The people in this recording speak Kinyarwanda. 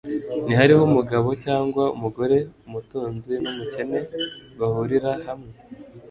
ntihariho umugabo cyangwa umugore.» «Umutunzi n'umukene bahurira hamwe,